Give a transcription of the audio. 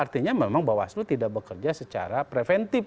artinya memang bawah seluruh tidak bekerja secara preventif